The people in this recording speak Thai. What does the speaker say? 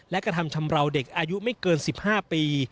และกระทำชำราวเด็กอายุไม่เกิน๑๕ปี